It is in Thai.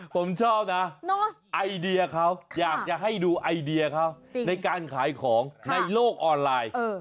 ผมชอบนะไอเดียเขาอยากจะให้ดูไอเดียเขาในการขายของในโลกออนไลน์